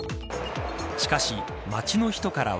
しかし、街の人からは。